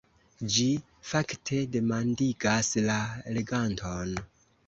Ĝi fakte demandigas la leganton.